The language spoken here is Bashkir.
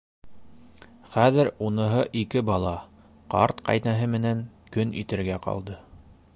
Хәҙер уныһы ике бала, ҡарт ҡәйнәһе менән көн итергә ҡалды.